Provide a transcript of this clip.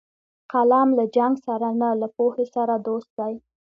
قلم له جنګ سره نه، له پوهې سره دوست دی